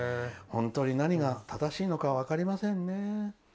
本当に何が正しいのか分かりませんね。